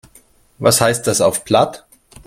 Was heißt das auf Platt?